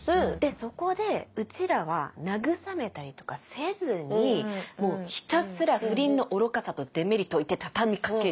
そこでうちらは慰めたりとかせずにひたすら不倫の愚かさとデメリットを言って畳みかける。